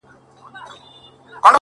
څه مسته نسه مي پـــه وجود كي ده،